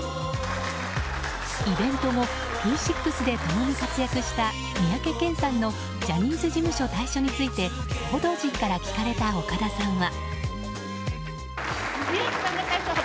イベント後Ｖ６で共に活躍した三宅健さんのジャニーズ事務所退所について報道陣から聞かれた岡田さんは。